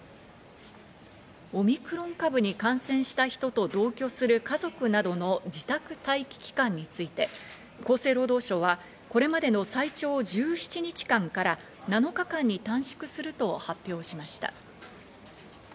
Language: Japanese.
オミクロン株に感染した人と同居する家族などの自宅待機期間について、厚生労働省はこれまでの最長１７日間から７日間に短縮すると発表しました。